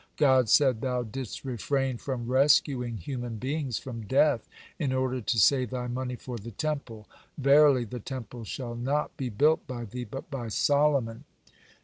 God said: "Thou didst refrain from rescuing human beings from death, in order to save thy money for the Temple. Verily, the Temple shall not be built by thee, but by Solomon."